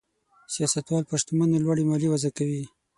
سیاستوال پر شتمنو لوړې مالیې وضع کوي.